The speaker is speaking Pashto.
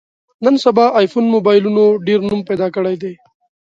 نن سبا ایفون مبایلونو ډېر نوم پیدا کړی دی.